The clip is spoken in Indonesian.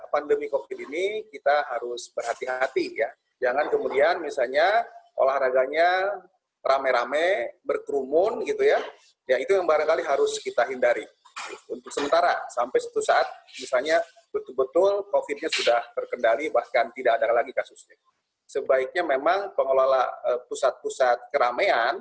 pertama kita harus menyiapkan kemampuan